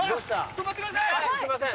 止まってください！